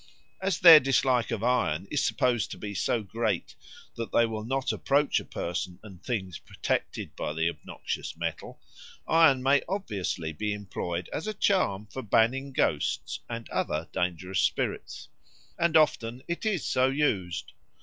As their dislike of iron is supposed to be so great that they will not approach persons and things protected by the obnoxious metal, iron may obviously be employed as a charm for banning ghosts and other dangerous spirits. And often it is so used.